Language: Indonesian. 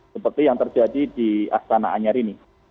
seperti yang terjadi di astana anyar ini